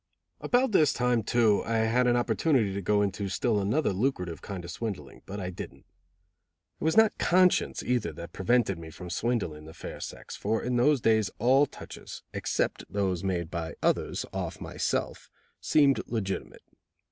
About this time, too, I had an opportunity to go into still another lucrative kind of swindling, but didn't. It was not conscience either that prevented me from swindling the fair sex, for in those days all touches, except those made by others off myself seemed legitimate.